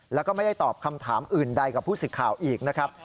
แล้วก็ไม่ได้ตอบคำถามอื่นใดกับผู้สิทธิ์ข่าวอีกนะครับ